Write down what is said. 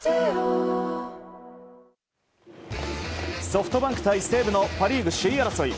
ソフトバンク対西武のパ・リーグ首位争い。